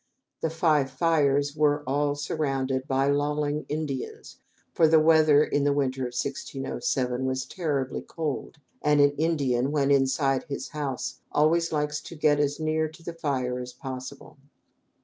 The five fires were all surrounded by lolling Indians, for the weather in that winter of 1607 was terribly cold, and an Indian, when inside his house, always likes to get as near to the fire as possible.